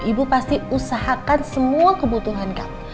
ibu pasti usahakan semua kebutuhan kamu